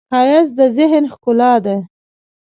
ښایست د ذهن ښکلا ده